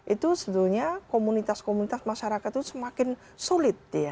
itu sebetulnya komunitas komunitas masyarakat itu semakin sulit